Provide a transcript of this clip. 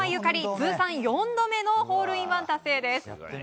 通算４度目のホールインワン達成です。